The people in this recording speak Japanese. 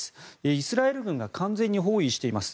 イスラエル軍が完全に包囲しています。